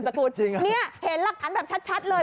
จริงเหรอคะจริงเหรอคะนี่เห็นหลักทั้งแบบชัดเลย